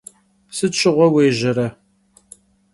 Sıt şığue vuêjere?